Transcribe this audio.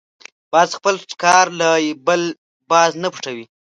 باز خپل ښکار له بل باز نه پټوي